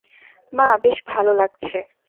মা, বেশ ভালো লাগছে।